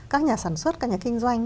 các nhà sản xuất các nhà kinh doanh